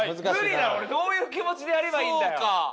俺どういう気持ちでやればいいんだよ。